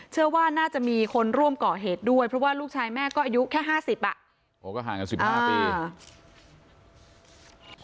เชื่อว่าน่าจะมีคนร่วมก่อเหตุด้วยเพราะว่าลูกชายแม่ก็อายุแค่๕๐อ่ะ